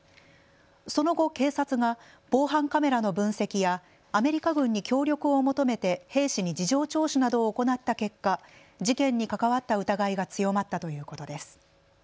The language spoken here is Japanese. その後、警察が防犯カメラの分析やアメリカ軍に協力を求めて兵士に事情聴取などを行った結果、事件に関わった疑いが強まったということです。